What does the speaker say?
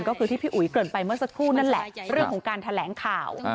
ก็คือที่พี่อุ๋ยเกินไปเมื่อสักครู่นั่นแหละเรื่องของการแถลงข่าว